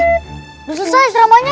udah selesai ceramanya